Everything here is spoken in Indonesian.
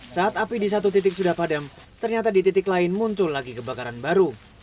saat api di satu titik sudah padam ternyata di titik lain muncul lagi kebakaran baru